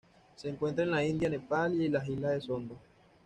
Se encuentra en la India, Nepal, y las islas de la Sonda.